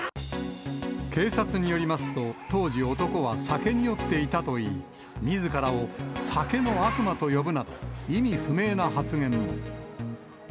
警察によりますと、当時、男は酒に酔っていたといい、みずからを酒の悪魔と呼ぶなど、意味不明な発言も。